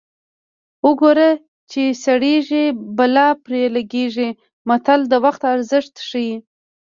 اوګره چې سړېږي بلا پرې لګېږي متل د وخت ارزښت ښيي